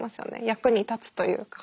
役に立つというか。